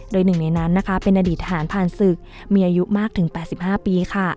โดยหนึ่งในนั้นนะคะเป็นอดีตทหารผ่านศึกมีอายุมากถึง๘๕ปีค่ะ